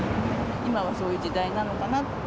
今はそういう時代なのかなと。